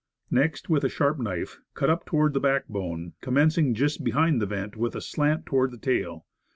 Next, with a sharp knife, cut up toward the backbone, commencing just behind the vent with a slant toward the tail.